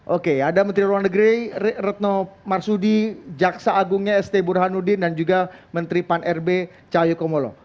oke ada menteri luar negeri retno marsudi jaksa agungnya st burhanuddin dan juga menteri pan rb cahyokumolo